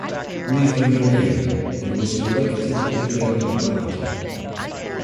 Lefroy remained, and was elected leader of the party.